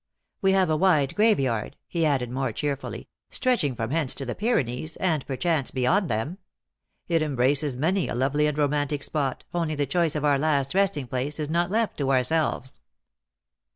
We have a wide graveyard," he added, more cheerfully, " stretching from hence to the Pyr enees, and, perchance, beyond them. It embraces many a lovely and romantic spot, only the choice of our last resting place is not left to ourselves."